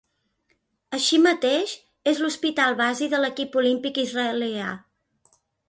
Així mateix és l'hospital basi de l'equip olímpic israelià.